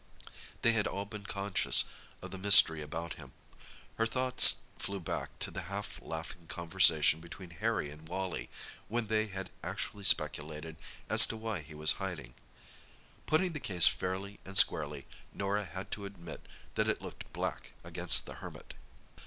They had all been conscious of the mystery about him. Her thoughts flew back to the half laughing conversation between Harry and Wally, when they had actually speculated as to why he was hiding. Putting the case fairly and squarely, Norah had to admit that it looked black against the Hermit.